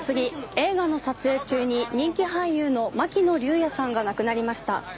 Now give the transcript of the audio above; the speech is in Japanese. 映画の撮影中に人気俳優の巻乃竜也さんが亡くなりました。